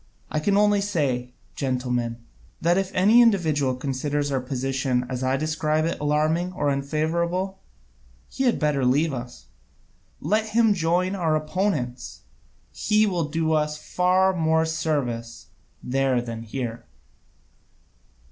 I can only say, gentlemen, that if any individual considers our position as I describe it alarming or unfavourable, he had better leave us. Let him join our opponents, he will do us far more service there than here."